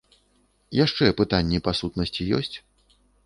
Яшчэ пытанні па сутнасці ёсць?